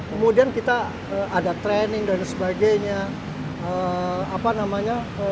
kemudian kita ada training dan sebagainya